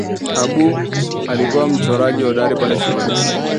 Abu alikuwa mchoraji hodari pale shuleni